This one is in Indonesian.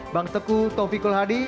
bang teku taufikul hadi